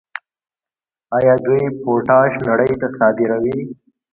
آیا دوی پوټاش نړۍ ته نه صادروي؟